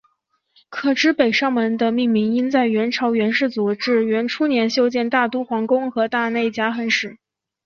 可知北上门的命名应在元朝元世祖至元初年修建大都皇宫和大内夹垣时。